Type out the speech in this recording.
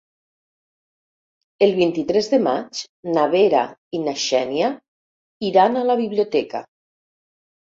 El vint-i-tres de maig na Vera i na Xènia iran a la biblioteca.